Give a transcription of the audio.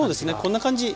こんな感じ。